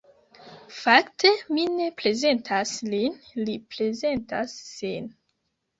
Fakte, mi ne prezentas lin, li prezentas sin.